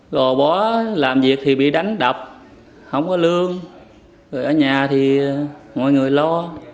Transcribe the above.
rồi bó làm việc thì bị đánh đập không có lương rồi ở nhà thì mọi người lo